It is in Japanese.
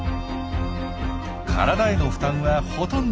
体への負担はほとんどゼロ。